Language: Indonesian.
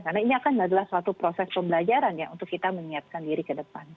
karena ini akan adalah suatu proses pembelajaran ya untuk kita menyiapkan diri ke depan